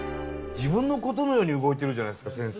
自分のことのように動いてるじゃないですか先生。